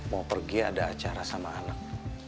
mau pergi ada acara sama anak